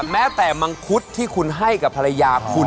แม้ล่ะแต่มังคุจที่ให้กับภรรยาคุณ